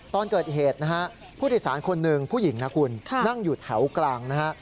ตอนเกิดเหตุนะฮะผู้โดยสารคนหนึ่งผู้หญิงนะคุณนั่งอยู่แถวกลางนะฮะ